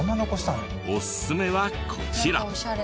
おすすめはこちら。